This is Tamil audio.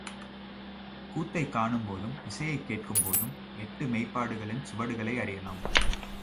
கூத்தைக் காணும்போதும் இசையைக் கேட்கும் போதும் எட்டு மெய்ப்பாடுகளின் சுவடுகளை அறியலாம்.